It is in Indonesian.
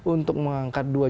untuk mengangkat dua